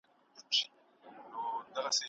د اوبو کمښت ژوند ستونزمنوي.